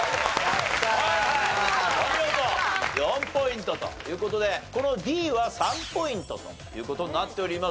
４ポイントという事でこのＤは３ポイントという事になっております。